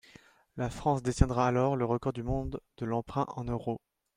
La France détiendra alors le record du monde de l’emprunt en euros.